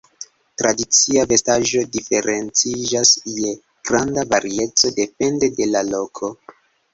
Tradicia vestaĵo diferenciĝas je granda varieco depende de la loko.